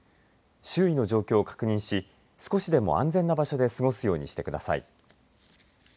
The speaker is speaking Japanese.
周囲の状況を確認し少しでも安全な場所で過ごすようにしてください。